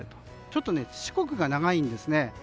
ちょっと四国が長いんですね。